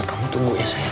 kamu tunggu ya sayang